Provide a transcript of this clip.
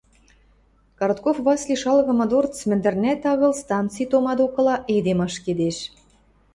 Коротков Васли шалгымы дорц мӹндӹрнӓт агыл станци тома докыла эдем ашкедеш.